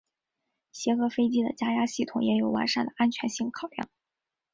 协和飞机的加压系统也有完善的安全性考量。